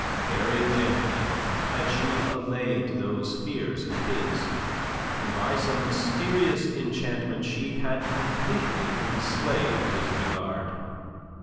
Very gently had she allayed those fears of his, and by some mysterious enchantment she had completely enslaved his regard.